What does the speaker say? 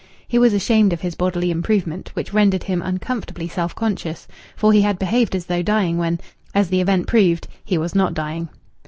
He was ashamed of his bodily improvement, which rendered him uncomfortably self conscious, for he had behaved as though dying when, as the event proved, he was not dying.